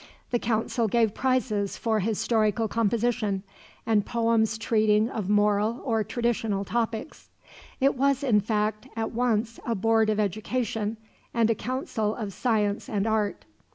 The Council gave prizes for historical composition, and poems treating of moral or traditional topics. It was, in fact, at once a board of education, and a council of science and art.